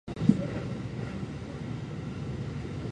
協力求む